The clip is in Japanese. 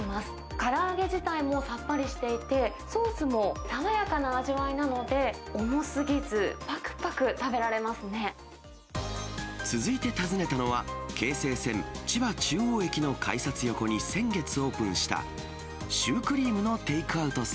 から揚げ自体もさっぱりしていて、ソースも爽やかな味わいなので、重すぎず、ぱくぱく食べられます続いて、訪ねたのは京成線千葉中央駅の改札横に先月オープンしたシューク